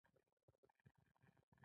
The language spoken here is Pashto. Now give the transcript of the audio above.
د اسلامي هېوادونو مشري خپله کړي